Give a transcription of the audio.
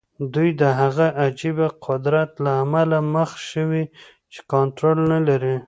دوی د هغه عجيبه قدرت له امله مخ شوي چې کنټرول نه لري.